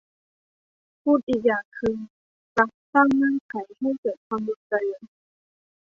พูดอีกอย่างคือ รัฐสร้างเงื่อนไขให้เกิดความรุนแรง